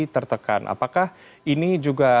tertekan apakah ini juga